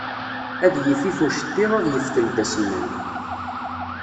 Ad yifif ucettiḍ ad yeftel d asennan